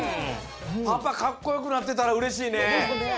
パパかっこよくなってたらうれしいね。